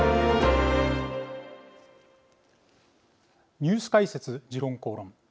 ニュース解説「時論公論」